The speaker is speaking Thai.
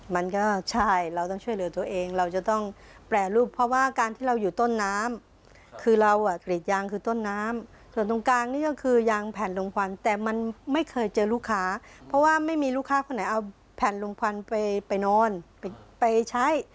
ไม่มีลูกค้าเอาแผ่นลงพันธุ์ไปนอนไปใช้